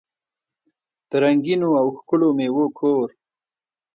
د رنګینو او ښکلو میوو کور.